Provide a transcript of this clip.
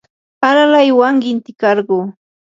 alaywan qintikarquu.